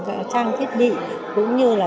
các trang thiết bị cũng như là